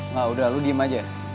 enggak udah lo diem aja